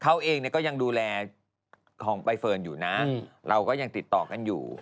เขาเองก็ยังดูแลของใบเฟิร์นอยู่นะเราก็ยังติดต่อกันอยู่